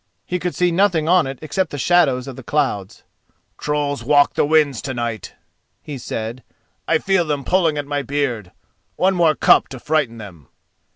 He could see nothing on it except the shadows of the clouds. "Trolls walk the winds to night," he said. "I feel them pulling at my beard. One more cup to frighten them."